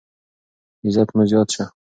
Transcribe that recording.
عزت مو زیات شه.